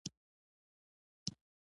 د مالیې بلوا په نامه ځايي مشرانو بغاوت وکړ.